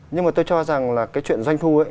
nhưng mà tôi cho rằng là cái chuyện doanh thu ấy